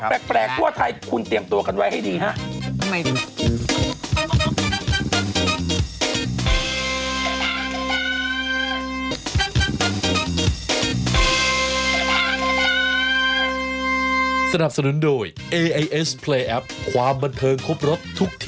แปลกทั่วไทยคุณเตรียมตัวกันไว้ให้ดีฮะ